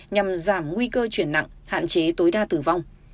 nhằm giảm nguy cơ chuyển nặng hạn chế tối đa tử vong